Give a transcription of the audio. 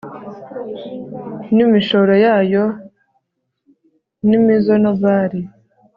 n'imishoro yayo ni imizonobari